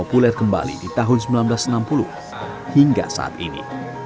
populer kembali di tahun seribu sembilan ratus enam puluh hingga saat ini